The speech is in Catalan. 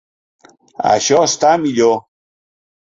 Això està millor.